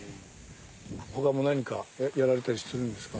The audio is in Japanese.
他も何かやられたりするんですか？